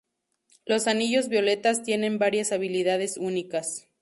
Los anillos violetas tienen varias habilidades únicas.